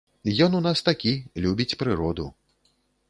Ён у нас такі, любіць прыроду.